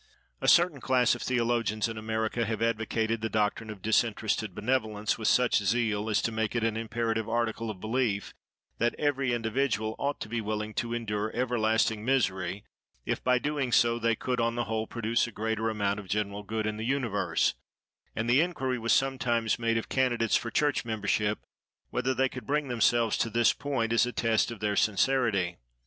A certain class of theologians in America have advocated the doctrine of disinterested benevolence with such zeal as to make it an imperative article of belief that every individual ought to be willing to endure everlasting misery, if by doing so they could, on the whole, produce a greater amount of general good in the universe; and the inquiry was sometimes made of candidates for church membership whether they could bring themselves to this point, as a test of their sincerity.